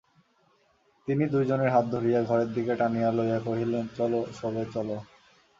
তিনি দুইজনের হাত ধরিয়া ঘরের দিকে টানিয়া লইয়া কহিলেন, চলো, শোবে চলো।